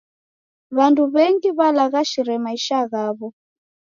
W'andu w'engi walaghashire maisha ghaw'o.